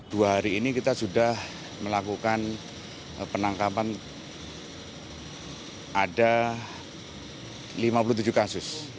dua hari ini kita sudah melakukan penangkapan ada lima puluh tujuh kasus